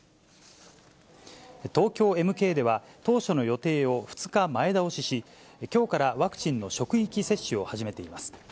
東京エムケイでは、当初の予定を２日前倒しし、きょうからワクチンの職域接種を始めています。